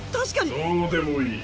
どうでもいい。